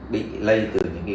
để lây lan đi